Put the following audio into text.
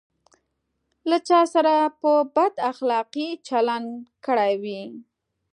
له چا سره په بد اخلاقي چلند کړی وي.